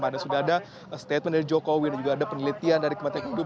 dan pertama sudah ada statement dari jokowi dan juga ada penelitian dari kementerian keuangan hidup